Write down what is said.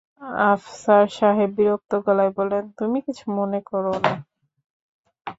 আফসার সাহেব বিরক্ত গলায় বললেন, তুমি কিছু মনে করো না।